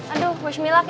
aduh wish me luck ya